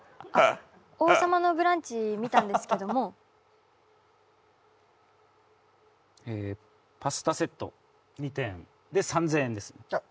「王様のブランチ」見たんですけどもえパスタセット２点で３０００円ですあっ